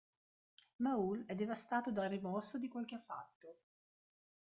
Maule è devastato dal rimorso di quel che ha fatto.